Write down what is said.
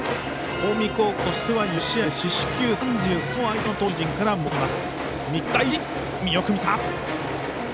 近江高校としては４試合で四死球３３を相手の投手陣からもぎ取っています。